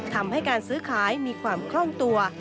ทำให้การซื้อขายมีความคล่องตัว